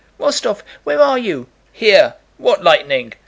"Rostóv, where are you?" "Here. What lightning!"